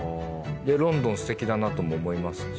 ロンドンすてきだなとも思いますし。